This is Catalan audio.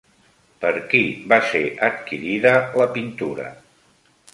Per qui va ser adquirida la pintura?